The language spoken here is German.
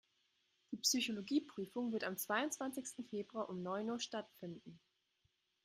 Die Psychologie-Prüfung wird am zweiundzwanzigsten Februar um neun Uhr stattfinden.